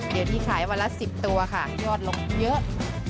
เดี๋ยวนี้ขายวันละ๑๐ตัวค่ะยอดลงเยอะ